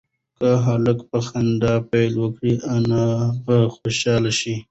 که هلک په خندا پیل وکړي انا به خوشحاله شي.